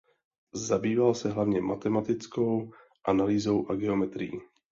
Zabýval se hlavně matematickou analýzou a geometrií.